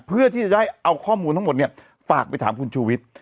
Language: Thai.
เพื่อที่จะได้เอาข้อมูลทั้งหมดฝากไปถามคุณชูวิทย์